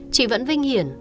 chị vẫn vinh hiển